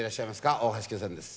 大橋巨泉です